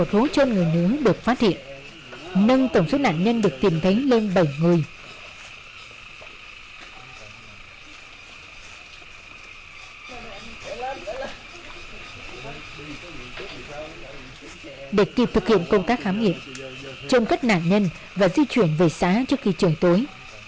trông cất nạn nhân và di chuyển về xá trước khi trời tối